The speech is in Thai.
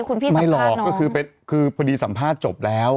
คุณพี่สัมภาษณ์น้องไม่หรอกคือพอดีสัมภาษณ์จบแล้ว